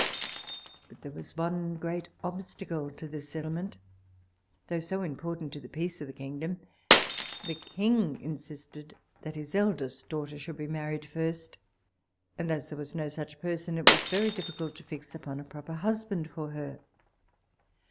But there was one great obstacle to this settlement, though so important to the peace of the kingdom. The king insisted that his eldest daughter should be married first, and as there was no such person, it was very difficult to fix upon a proper husband for her.